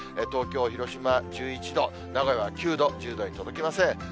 東京、広島１１度、名古屋は９度、１０度に届きません。